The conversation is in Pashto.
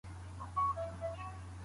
کرني پوهنځۍ په ناقانونه توګه نه جوړیږي.